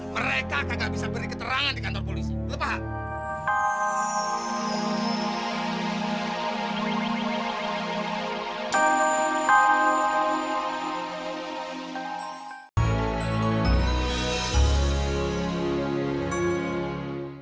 mereka gak bisa beri keterangan di kantor polisi lo paham